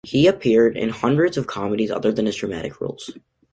He appeared in hundreds of comedies other than his dramatic roles.